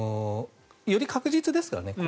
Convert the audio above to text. より確実ですからね